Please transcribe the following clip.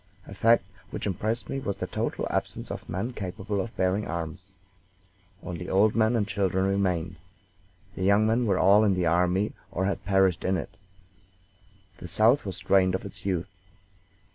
A fact which impressed me was the total absence of men capable of bearing arms. Only old men and children remained. The young men were all in the army or had perished in it. The South was drained of its youth.